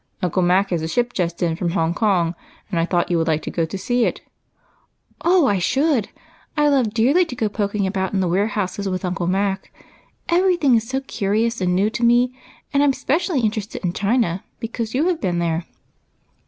Uncle Mac has a ship just in from Hong Kong, and I thought you would like to go and see it." " Oh, I should ! I love dearly to go looking about A TRIP TO CHINA. 75 in the warehouses with Uncle Mac; every thing is so curious and new to me ; and I 'm si^ecially inter ested in China because you have been there."